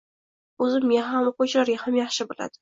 o‘zimizga ham, o‘quvchilarga ham yaxshi bo‘ladi.